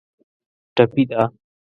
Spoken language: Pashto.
ټپي ده.